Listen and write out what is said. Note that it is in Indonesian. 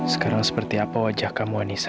sekarang seperti apa wajah kamu anissa